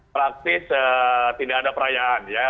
praktis tidak ada perayaan ya